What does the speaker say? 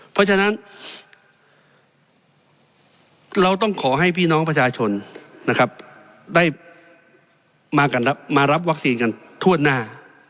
เพราะฉะนั้นเราต้องขอให้พี่น้องประชาชนนะครับได้มารับวัคซีนกันทั่วหน้า